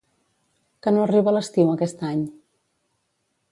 Que no arriba l'estiu aquest any?